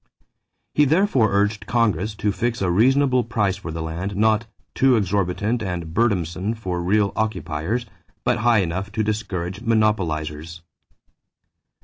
He therefore urged Congress to fix a reasonable price for the land, not "too exorbitant and burdensome for real occupiers, but high enough to discourage monopolizers."